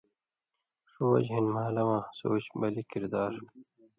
ݜُو وجہۡ ہِن مھالہ واں سوچ، بلی، کردار،